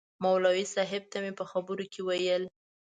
مولوي صاحب ته مې په خبرو کې ویل.